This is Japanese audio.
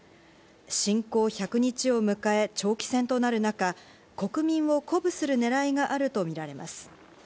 侵攻１００日を迎え、長期戦となる中、国民を鼓舞するねらいがあるとみられます。